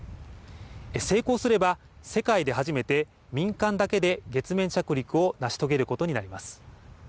成功すれば世界で初めて民間だけで月面着陸を成し遂げることになります。